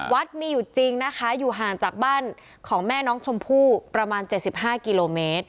วัดมีอยู่จริงนะคะอยู่ห่างจากบ้านของแม่น้องชมพู่ประมาณ๗๕กิโลเมตร